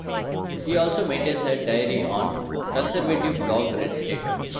He also maintains a diary on the conservative blog RedState.